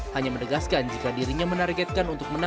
hanya menegaskan jika dirinya menargetkan urut urutnya